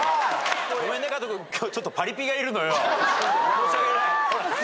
申し訳ない。